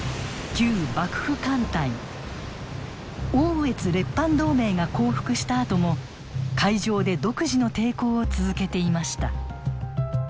奥羽越列藩同盟が降伏したあとも海上で独自の抵抗を続けていました。